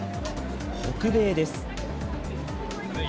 北米です。